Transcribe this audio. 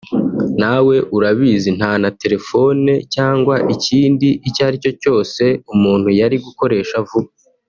nawe urabizi nta naterefone cyangwa ikindi icyaricyo cyose umuntu yari gukoresha vuba